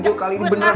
gue kali ini beneran